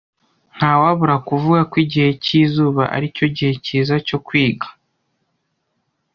Ntawabura kuvuga ko igihe cyizuba aricyo gihe cyiza cyo kwiga.